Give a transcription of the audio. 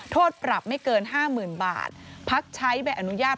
โทษปรับไม่เกิน๕๐๐๐บาทพักใช้ใบอนุญาต